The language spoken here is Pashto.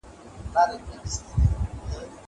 زه به ليکلي پاڼي ترتيب کړي وي!